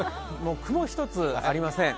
雲一つありません。